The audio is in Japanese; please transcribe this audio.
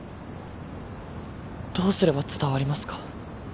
どうすれば伝わりますか？